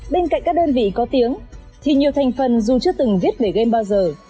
bên cạnh các đơn vị có tiếng thì nhiều thành phần dù chưa từng viết về game bao giờ